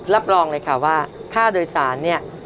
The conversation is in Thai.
รับรองเลยค่ะว่าค่าโดยสารเนี่ย